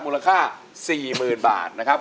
มูลค่า๔๐๐๐บาทนะครับ